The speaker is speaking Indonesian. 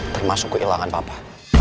termasuk kehilangan papa